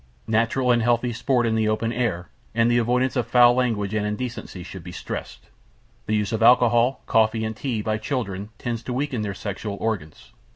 Natural and healthy sport in the open air, and the avoidance of foul language and indecency should be stressed. The use of alcohol, coffee and tea by children tends to weaken their sexual organs.